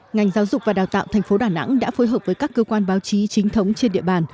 ngành giáo dục và đào tạo tp đà nẵng đã phối hợp với các cơ quan báo chí chính thống trên địa bàn